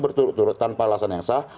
berturut turut tanpa alasan yang sah